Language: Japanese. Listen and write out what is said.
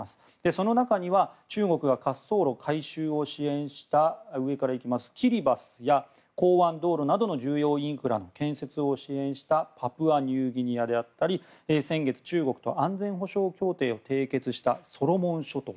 その中には中国が滑走路の改修を支援したキリバスや港湾道路のような重要インフラの建設を支援したパプアニューギニアであったり先月中国と安全保障協定を締結したソロモン諸島。